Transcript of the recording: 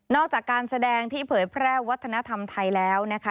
จากการแสดงที่เผยแพร่วัฒนธรรมไทยแล้วนะคะ